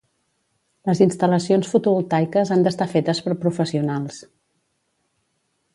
Les instal·lacions fotovoltaiques han d'estar fetes per professionals